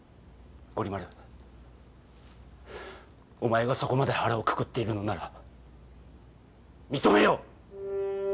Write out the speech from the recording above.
ゴリ丸お前がそこまで腹をくくっているのなら認めよう。